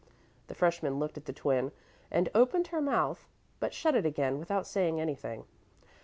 The freshman looked at the Twin and opened her mouth, but shut it again without saying anything.